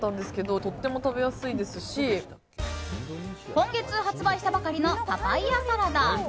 今月発売したばかりのパパイヤサラダ。